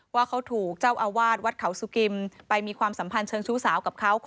ว่าเขาถูกเจ้าอาวาสวัดเขาสุกิมไปมีความสัมพันธ์เชิงชู้สาวกับเขา